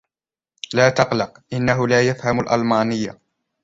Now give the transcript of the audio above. لا تقلق. إنهُ لا يفهم الألمانية.